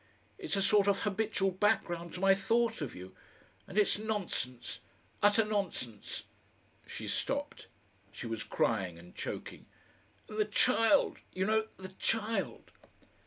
It's a sort of habitual background to my thought of you. And it's nonsense utter nonsense!" She stopped. She was crying and choking. "And the child, you know the child!"